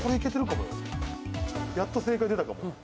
やっと正解でたかも。